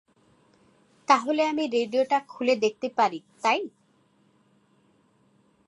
তাহলে আমি রেডিওটা খুলে দেখতে পারি তাই।